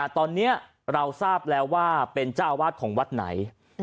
ตอนนี้เราทราบแล้วว่าเป็นเจ้าอาวาสของวัดไหน